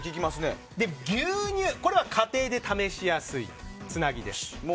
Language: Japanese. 牛乳、これは家庭で試しやすいつなぎです。